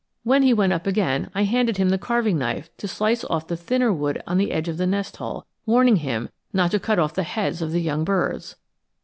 When he went up again I handed him the carving knife to slice off the thinner wood on the edge of the nest hole, warning him not to cut off the heads of the young birds.